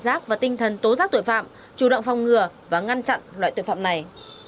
giác và tinh thần tố giác tội phạm chủ động phòng ngừa và ngăn chặn loại tội phạm này